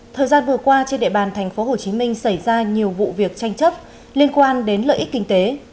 thời gian vừa qua trên địa bàn tp hcm xảy ra nhiều vụ việc tranh chấp liên quan đến lợi ích kinh tế